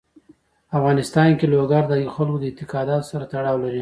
په افغانستان کې لوگر د خلکو د اعتقاداتو سره تړاو لري.